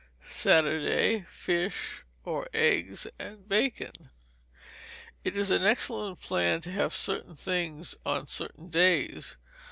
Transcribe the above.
Saturday Fish, or eggs and bacon. It is an excellent plan to have certain things on certain days.